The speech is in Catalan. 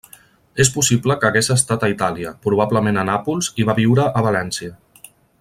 És possible que hagués estat a Itàlia, probablement a Nàpols, i va viure a València.